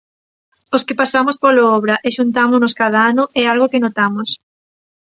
Os que pasamos polo Obra e xuntámonos cada ano é algo que notamos.